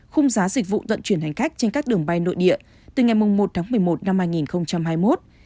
khung giá dịch vụ vận chuyển hành khách trên các đường bay nội địa từ ngày một tháng một mươi một năm hai nghìn hai mươi một